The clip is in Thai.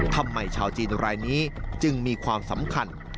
ทำไมชาวจีนรายนี้จึงมีความสำคัญ